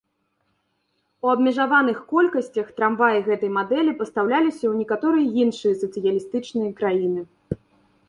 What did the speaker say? У абмежаваных колькасцях трамваі гэтай мадэлі пастаўляліся ў некаторыя іншыя сацыялістычныя краіны.